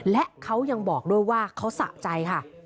และเขายังบอกด้วยว่าเขาสะใจค่ะ